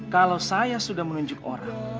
kalau saya sudah menunjuk orang